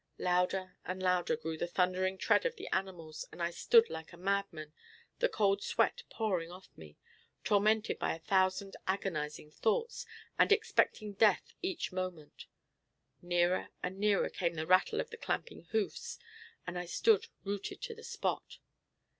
Louder and louder grew the thundering tread of the animals, and I stood like a madman, the cold sweat pouring off me, tormented by a thousand agonizing thoughts, and expecting death each moment! Nearer and nearer came the rattle of the clamping hoofs, and I stood rooted to the spot!